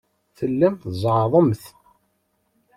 Tellamt tzeɛɛḍemt.